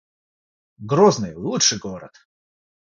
Грозный — лучший город